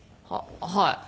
はい。